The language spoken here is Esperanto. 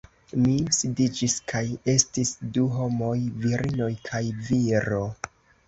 Mi sidiĝis kaj estis du homoj virinoj kaj viro